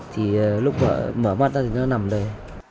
thì lúc mở mắt ra thì nó nằm đây